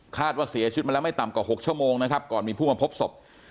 ว่าเสียชีวิตมาแล้วไม่ต่ำกว่า๖ชั่วโมงนะครับก่อนมีผู้มาพบศพ